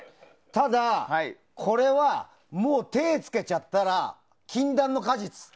ただ、これはもう手を付けちゃったら禁断の果実。